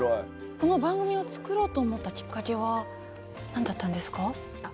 この番組を作ろうと思ったきっかけは何だったんですか？